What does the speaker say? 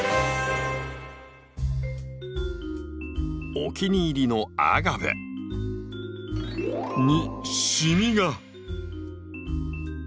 お気に入りのアガベ。にシミが！